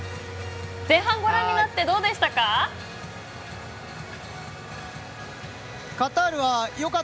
前半、ご覧になってどうでしたか。